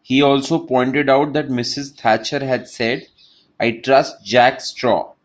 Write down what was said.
He also pointed out that Mrs Thatcher had said, I trust Jack Straw.